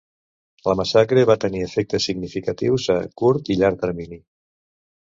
La massacre va tenir efectes significatius a curt i llarg termini.